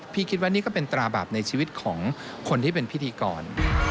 คิดว่านี่ก็เป็นตราบาปในชีวิตของคนที่เป็นพิธีกร